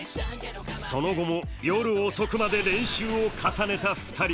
その後も、夜遅くまで練習を重ねた２人。